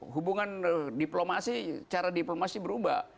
hubungan diplomasi cara diplomasi berubah